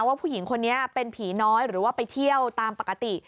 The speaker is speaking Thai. ผู้หญิงคนนี้เป็นผีน้อยหรือว่าไปเที่ยวตามปกติ